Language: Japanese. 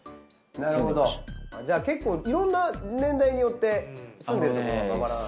なるほどじゃあ結構いろんな年代によって住んでるところがバラバラ。